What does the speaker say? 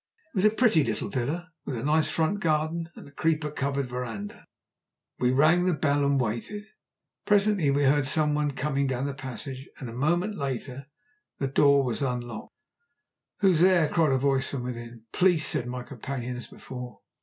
It was a pretty little villa, with a nice front garden and a creeper covered verandah. We rang the bell and waited. Presently we heard some one coming down the passage, and a moment later the door was unlocked. "Who is there?" cried a voice from within. "Police," said my companion as before.